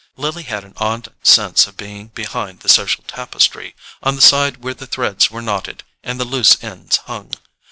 Lily had an odd sense of being behind the social tapestry, on the side where the threads were knotted and the loose ends hung.